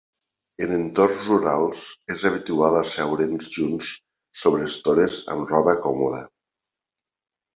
En entorns rurals, és habitual asseure's junts sobre estores amb roba còmoda.